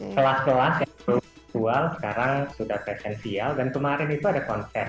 kelas kelas yang baru virtual sekarang sudah presensial dan kemarin itu ada konser